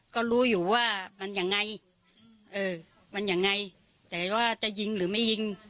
ก็รู้อยู่ว่ามันยังไงเออมันยังไงแต่ว่าจะยิงหรือไม่ยิง